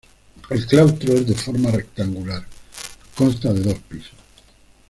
El claustro es de forma rectangular, consta de dos pisos.